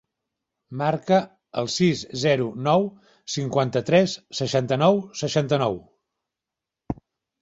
Marca el sis, zero, nou, cinquanta-tres, seixanta-nou, seixanta-nou.